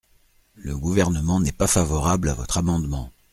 Le Gouvernement n’est pas favorable à votre amendement.